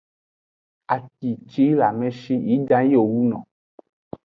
Aci ci yi le ame shi yi ʼdan yi wo wuno.